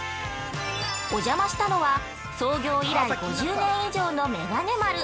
お邪魔したのは創業以来５０年以上のめがね丸。